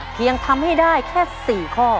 เพียงทำให้ได้แค่๔ข้อ